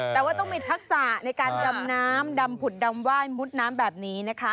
แต่ว่าต้องมีทักษะในการดำน้ำดำผุดดำไหว้มุดน้ำแบบนี้นะคะ